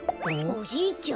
おじいちゃん？